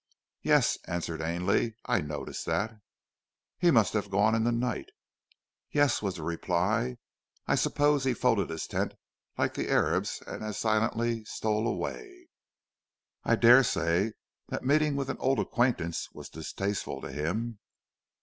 "Yes," answered Ainley, "I noticed that." "He must have gone in the night." "Yes," was the reply. "I suppose he folded his tent like the Arabs and as silently stole away." "I daresay the meeting with an old acquaintance was distasteful to him."